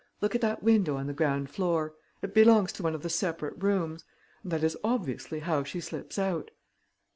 Look at that window on the ground floor. It belongs to one of the separate rooms ... and that is obviously how she slips out."